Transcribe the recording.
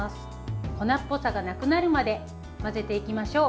粉っぽさがなくなるまで混ぜていきましょう。